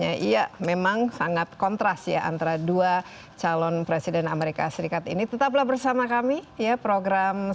akan suportif terhadap pengembangan